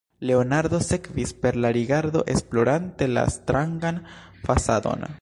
Leonardo sekvis, per la rigardo esplorante la strangan fasadon.